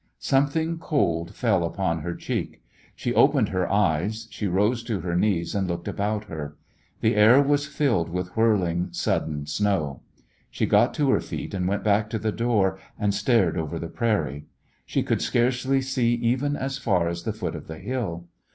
Something cold fell upon her cheek. She opened her eyes, she rose to her knees and looked about her. The air was filled with whirling, sud den snow. She got to her feet and went back to the door, and stared over the prairie. She could scarcely see even as far as the foot of the hill.